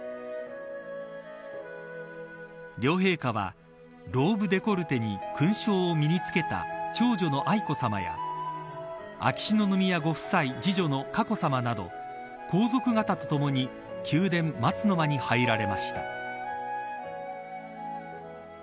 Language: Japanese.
両陛下はローブデコルテに勲章を身に着けた長女の愛子さまや秋篠宮ご夫妻、次女の佳子さまなど皇族方と共に宮殿、松の間に入られました。